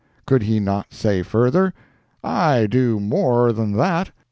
Could he not say further, "I do more than that.